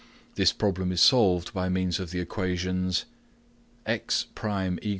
2), this problem is solved by means of the equations : eq.